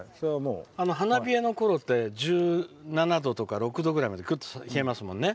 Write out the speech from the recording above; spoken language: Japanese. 花冷えのころって１７度とか１６度ぐらいまでぐっと冷えますもんね。